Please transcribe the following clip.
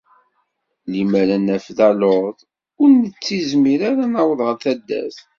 Limmer ad naf d aluḍ, ur nettizmir ara ad naweḍ γer taddert.